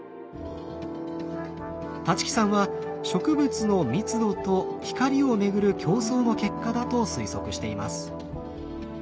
立木さんは植物の密度と光をめぐる競争の結果だと推測しています。